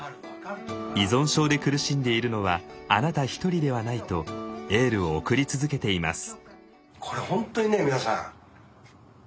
依存症で苦しんでいるのはあなた一人ではないとエールを送り続けています。